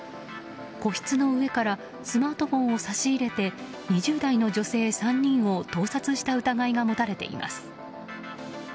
個室の上からスマートフォンを差し入れて２０代の女性３人を盗撮した疑いが持たれています。